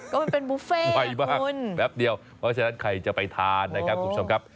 ก็มันเป็นบุฟเฟ่ไวมากคุณแป๊บเดียวเพราะฉะนั้นใครจะไปทานนะครับคุณผู้ชมครับ